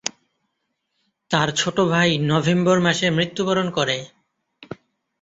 তার ছোট ভাই নভেম্বর মাসে মৃত্যুবরণ করে।